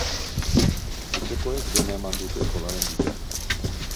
Etxekoek dena eman dute, golaren bila.